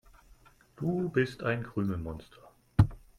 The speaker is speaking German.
Du bist ein Krümelmonster.